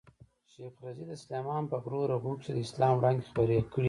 شېخ رضي د سلېمان په غرو رغو کښي د اسلام وړانګي خپرې کړي دي.